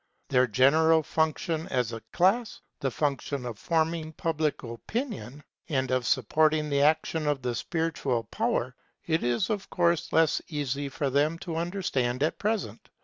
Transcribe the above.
Their general function as a class, the function of forming public opinion, and of supporting the action of the spiritual power, it is of course less easy for them to understand at present.